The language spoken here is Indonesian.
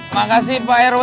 makasih pak rw